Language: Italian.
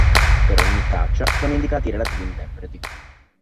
Per ogni traccia sono indicati i relativi interpreti.